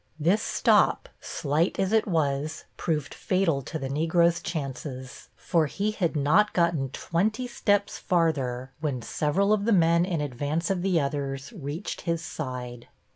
This stop, slight as it was, proved fatal to the Negro's chances, for he had not gotten twenty steps farther when several of the men in advance of the others reached his side.